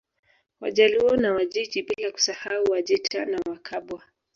Wajaluo na Wajiji bila kusahau Wajita na Wakabwa